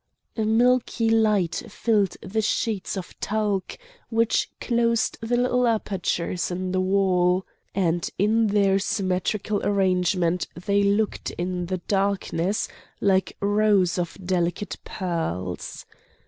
A milky light filled the sheets of talc which closed the little apertures in the wall, and in their symmetrical arrangement they looked in the darkness like rows of delicate pearls.